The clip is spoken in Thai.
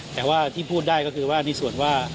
แต่ว่าที่พูดได้ก็คือว่าในส่วนว่า